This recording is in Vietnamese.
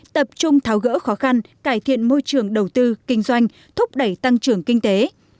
tập trung tháo gỡ khó khăn cải thiện môi trường đầu tư kinh doanh thúc đẩy tăng trưởng kinh tế